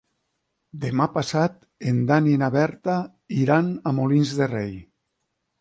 Demà passat en Dan i na Berta iran a Molins de Rei.